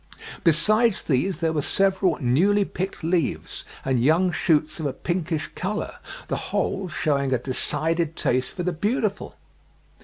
Besides these there were several newly picked leaves and young shoots of a pinkish colour, the whole showing a decided taste for the beautiful."